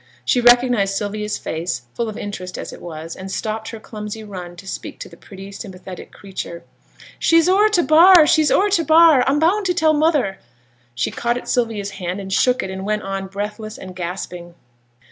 She recognized Sylvia's face, full of interest as it was, and stopped her clumsy run to speak to the pretty, sympathetic creature. 'She's o'er t' bar! She's o'er t' bar! I'm boun' to tell mother!' She caught at Sylvia's hand, and shook it, and went on breathless and gasping.